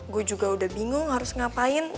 gue juga udah bingung harus ngapain